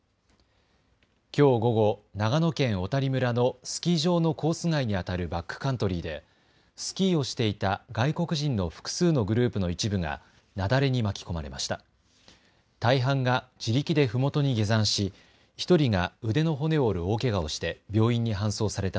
きょう午後、長野県小谷村のスキー場のコース外にあたるバックカントリーでスキーをしていた外国人の複数のグループの一部が雪崩に巻き込まれました。